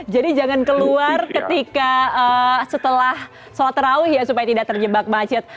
jangan keluar ketika setelah sholat rauh ya supaya tidak terjebak macet